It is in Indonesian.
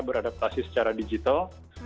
beradaptasi secara digital